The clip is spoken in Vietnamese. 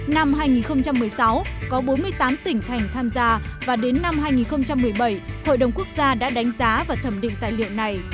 năm hai nghìn một mươi sáu có bốn mươi tám tỉnh thành tham gia và đến năm hai nghìn một mươi bảy hội đồng quốc gia đã đánh giá và thẩm định tài liệu này